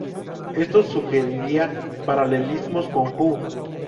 Esto sugeriría paralelismos con Jung.